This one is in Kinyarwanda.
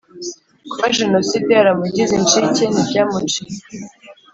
Kuba Jenoside yaramugize inshike ntibyamuciye